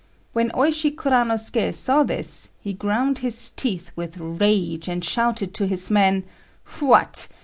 When Oishi Kuranosuké saw this, he ground his teeth with rage, and shouted to his men: "What!